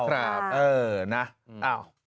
ครับเออนะ